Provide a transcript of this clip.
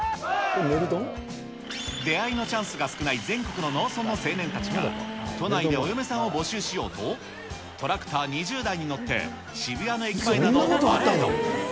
おー！出会いのチャンスが少ない全国の農村の青年たちが、都内でお嫁さんを募集しようと、トラクター２０台に乗って、渋谷の駅前などをパレード。